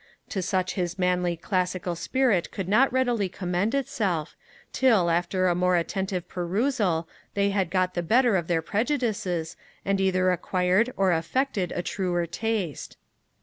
To such his manly classical spirit could not readily commend itself, till, after a more attentive perusal, they had got the better of their prejudices, and either acquired or affected a truer taste.